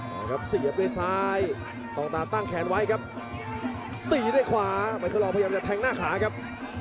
มาครับเสียบด้วยซ้ายต้องตาตั้งแขนไว้ครับตีด้วยขวาไมเคอร์ลองพยายามจะแทงหน้าขาครับ